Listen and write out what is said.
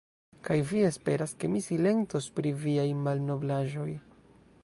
Kaj vi esperas, ke mi silentos pri viaj malnoblaĵoj!